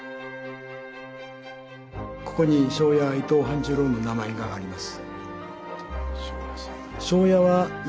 ここに庄屋伊藤半十郎の名前があります。